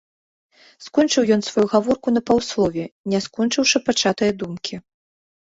Скончыў ён сваю гаворку на паўслове, не скончыўшы пачатае думкі.